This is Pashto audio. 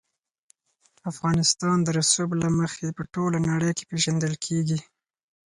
افغانستان د رسوب له مخې په ټوله نړۍ کې پېژندل کېږي.